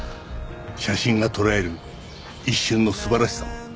写真が捉える一瞬の素晴らしさ